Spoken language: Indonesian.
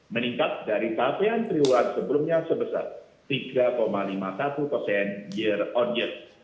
meningkat dari capaian triwulan sebelumnya sebesar tiga lima puluh satu persen year on year